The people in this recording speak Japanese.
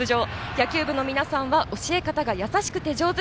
野球部の皆さんは教え方が優しくて上手！